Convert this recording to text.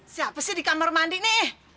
siapa sih di kamar mandi nih